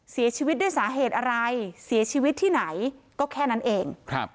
เสียชีวิตด้วยสาเหตุอะไรเสียชีวิตที่ไหนก็แค่นั้นเอง